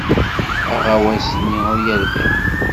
Aɣawas-nni ur yerbiḥ.